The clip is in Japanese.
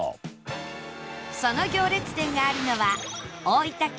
その行列店があるのは大分県